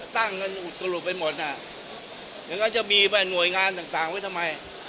ตั้งกันอุดกรุบไปหมดน่ะเดี๋ยวก็จะมีแบบหน่วยงานต่างไว้ทำไม